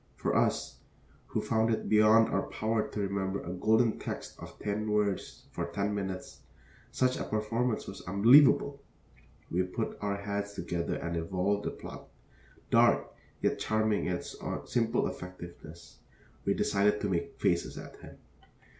For us, who found it beyond our power to remember a Golden Text of ten words for ten minutes, such a performance was unbelievable. We put our heads together and evolved a plot, dark, yet charming in its simple effectiveness. We decided to make faces at him.